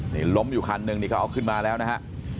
นี่ล้มอยู่คันนึงนี่เขาเอาขึ้นมาแล้วนะฮะ